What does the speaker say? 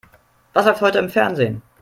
Was läuft heute im Fernsehen?